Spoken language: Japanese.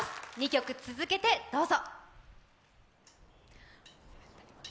２曲続けてどうぞ。